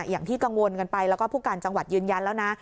อย่างที่กังวลกันไปแล้วก็ผู้การจังหวัดยืนยันแล้วนะ